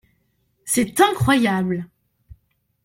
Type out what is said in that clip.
C’est incroyable !